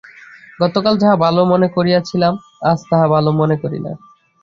গতকাল যাহা ভাল মনে করিয়াছিলাম, আজ তাহা ভাল মনে করি না।